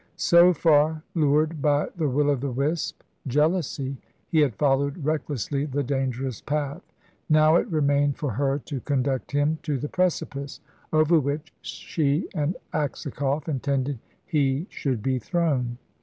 So far, lured by the will o' the wisp, jealousy, he had followed recklessly the dangerous path; now it remained for her to conduct him to the precipice, over which she and Aksakoff intended he should be thrown.